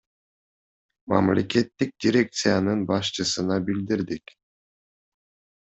Мамлекеттик дирекциянын башчысына билдирдик.